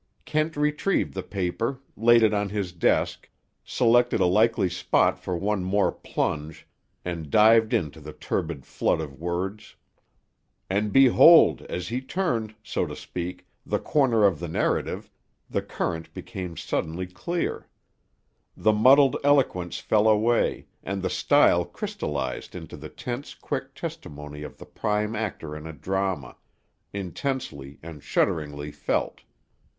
Kent retrieved the paper, laid it on his desk, selected a likely spot for one more plunge, and dived into the turbid flood of words. And behold! as he turned, so to speak, the corner of the narrative, the current became suddenly clear. The muddled eloquence fell away; and the style crystallized into the tense quick testimony of the prime actor in a drama, intensely and shudderingly felt.